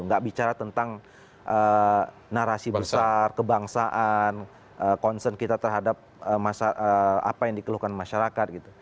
nggak bicara tentang narasi besar kebangsaan concern kita terhadap apa yang dikeluhkan masyarakat gitu